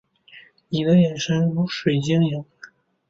你的眼神如水晶莹